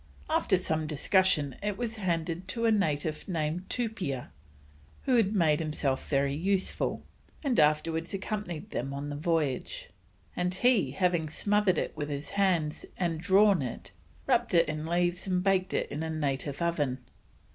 After some discussion it was handed to a native named Tupia, who had made himself very useful, and afterwards accompanied them on the voyage; and he having smothered it with his hands, and drawn it, wrapped it in leaves and baked it in a native oven.